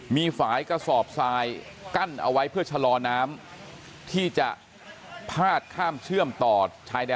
มีฝ่ายกระสอบทรายกั้นเอาไว้เพื่อชะลอน้ำที่จะพาดข้ามเชื่อมต่อชายแดน